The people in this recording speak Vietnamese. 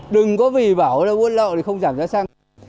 đừng có vì bảo là buôn lậu thì không giảm giá xăng